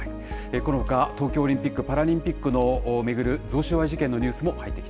このほか東京オリンピック・パラリンピックを巡る贈収賄事件